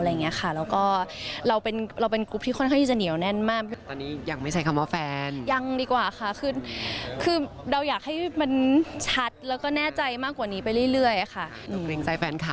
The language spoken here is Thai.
แล้วก็เราเป็นกรุ๊ปที่ค่อนข้างจะเหนียวแน่นมาก